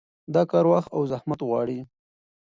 دا کار وخت او زحمت غواړي.